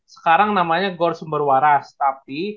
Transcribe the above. sekarang namanya gor sumberwaras tapi